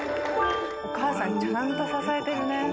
お母さんちゃんと支えてるね。